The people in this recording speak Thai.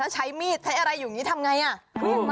ถ้าใช้มิตรอะไรอยู่กันทำไงอ่ะ